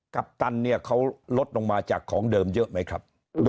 ปัปตันเนี่ยเขาลดลงมาจากของเดิมเยอะไหมครับ